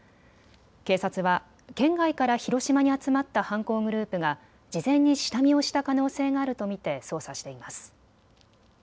警察は県外から広島に集まった犯行グループが事前に下見をした可能性があると見て捜査しています。